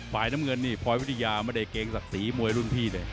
ฝ่ายน้ำเงินนี่พลอยวิทยาไม่ได้เกรงศักดิ์ศรีมวยรุ่นพี่เลย